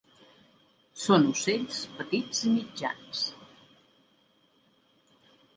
Són ocells petits i mitjans.